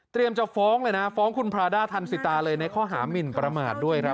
เตรียมจะฟ้องเลยนะฟ้องคุณพระอาทิตย์ทันสิตาเลยในข้อหามิลประมาทด้วยครับ